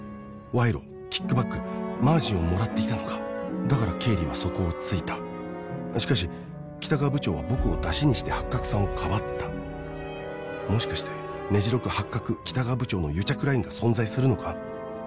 賄賂キックバックマージンをもらっていたのかだから経理はそこをついたしかし北川部長は僕をだしにしてハッカクさんをかばったもしかしてねじ六ハッカク北川部長の癒着ラインが存在するのか？